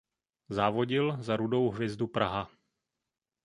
Závodil za Rudou hvězdu Praha.